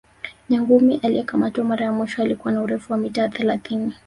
nyangumi aliyekamatwa mara ya mwisho alikuwa na urefu wa mita thelathini